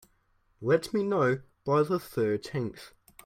Let me know by the thirteenth.